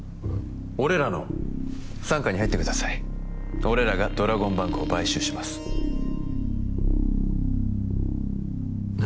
俺らの傘下に入ってください俺らがドラゴンバンクを買収します何！？